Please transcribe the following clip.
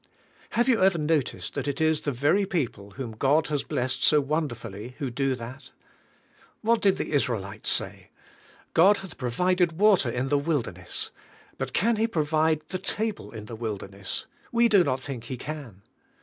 Have you ever noticed that it is the very people whom God has blessed so wonderfully who do that? What did the Israelites say? "God hath provided water in the wilderness. But can He provide the table in the wilderness? We do not think He can."